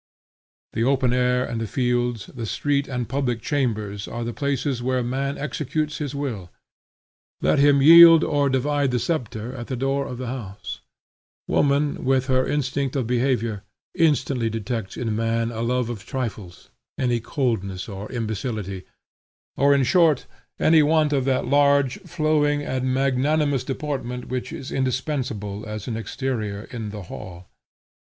The open air and the fields, the street and public chambers are the places where Man executes his will; let him yield or divide the sceptre at the door of the house. Woman, with her instinct of behavior, instantly detects in man a love of trifles, any coldness or imbecility, or, in short, any want of that large, flowing, and magnanimous deportment which is indispensable as an exterior in the hall.